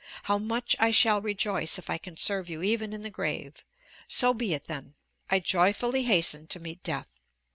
How much I shall rejoice if I can serve you even in the grave! So be it then! I joyfully hasten to meet Death.